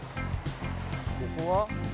ここは？